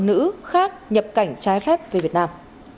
nữ khác nhập cảnh trái phép về việt nam